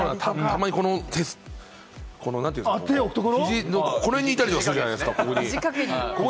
たまにこの、肘のこの辺にいたりするじゃないですか。